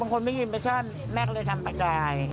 คนไม่กินเฟ็ชาแม่ก็เลยทำปะกาย